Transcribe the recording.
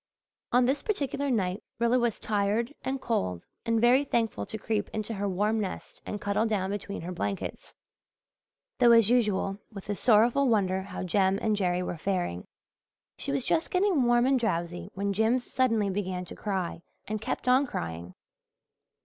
On this particular night Rilla was tired and cold and very thankful to creep into her warm nest and cuddle down between her blankets, though as usual with a sorrowful wonder how Jem and Jerry were faring. She was just getting warm and drowsy when Jims suddenly began to cry and kept on crying.